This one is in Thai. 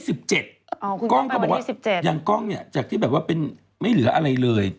สนิยมกองเป็นวันนี้จากที่ไม่เหลืออะไรเลย